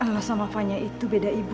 lo sama vanya itu beda ibu